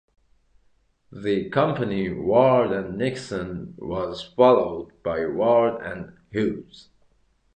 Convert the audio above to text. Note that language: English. The company Ward and Nixon was followed by Ward and Hughes.